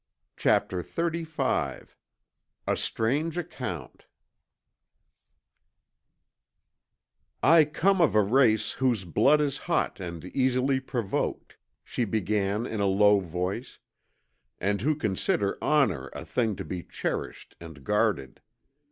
CHAPTER XXXV A STRANGE ACCOUNT "I come of a race whose blood is hot and easily provoked," she began in a low voice, "and who consider honor a thing to be cherished and guarded.